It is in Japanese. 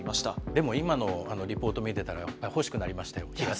でも今のリポート見てたら、やっぱり欲しくなりました、日傘。